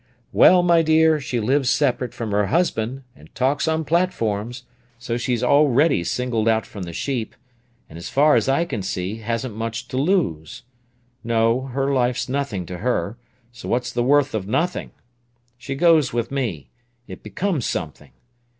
"Well, my dear, she lives separate from her husband, and talks on platforms; so she's already singled out from the sheep, and, as far as I can see, hasn't much to lose. No; her life's nothing to her, so what's the worth of nothing? She goes with me—it becomes something.